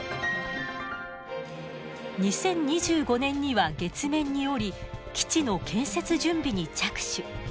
２０２５年には月面に降り基地の建設準備に着手。